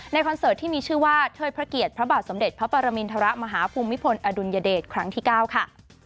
คอนเสิร์ตที่มีชื่อว่าเทิดพระเกียรติพระบาทสมเด็จพระปรมินทรมาฮภูมิพลอดุลยเดชครั้งที่๙ค่ะ